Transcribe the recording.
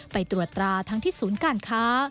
ไปตรวจตราทั้งที่ศูนย์การค้า